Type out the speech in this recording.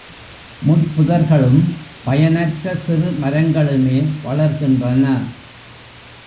முட்பு தர்களும், பயனற்ற சிறு மரங்களுமே வளர்கின்றன.